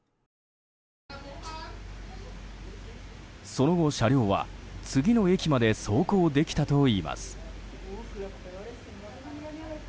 その後、車両は次の駅まで走行できたといいます。